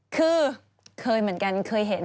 คือเคยเหมือนกันเคยเห็น